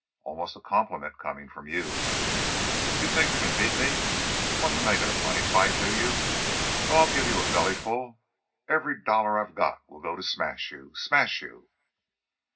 "Almost a compliment, coming from you!" "You think you can beat me Want to make it a money fight, do you? Well, I'll give you a bellyful. Every dollar I've got will go to smash you smash you!"